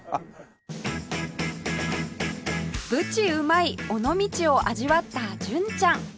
ぶちうまい尾道を味わった純ちゃん